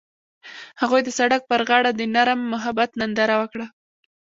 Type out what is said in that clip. هغوی د سړک پر غاړه د نرم محبت ننداره وکړه.